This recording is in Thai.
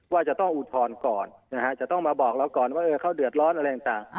ว่าจะต้องอุทธรณ์ก่อนจะต้องมาบอกเราก่อนว่าเขาเดือดร้อนอะไรต่าง